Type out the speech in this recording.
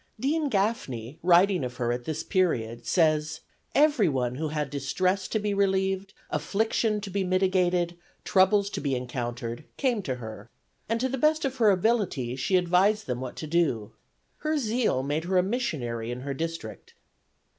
Dean Gaffney, writing of her at this period, says: "Everyone who had distress to be relieved, affliction to be mitigated, troubles to be encountered, came to her, and to the best of her ability she advised them what to do. Her zeal made her a missionary in her district."